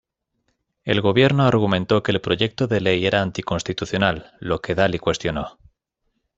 El gobierno argumentó que el proyecto de ley era anticonstitucional, lo que Daly cuestionó.